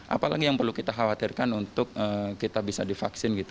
apalagi yang perlu kita khawatirkan untuk kita bisa divaksin gitu